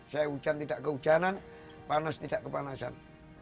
saya hujan tidak kehujanan panas tidak kepanasan